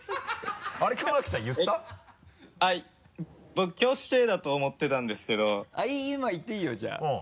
僕挙手制だと思ってたんですけど今言っていいよじゃあ。